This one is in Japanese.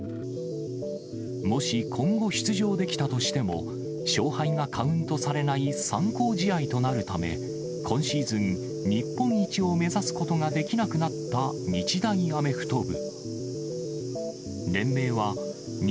もし今後出場できたとしても、勝敗がカウントされない参考試合となるため、今シーズン、日本一を目指すことができなくなった日大アメフト部。